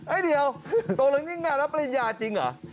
ไอ้เดี๋ยวตอนนี้งานรับปริญญาจริงหรอ